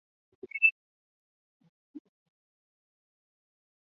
非洲之角各国在文化上是连在一起的。